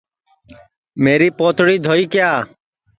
میری پوتڑی دھوئی کیا